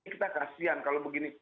kita kasian kalau begini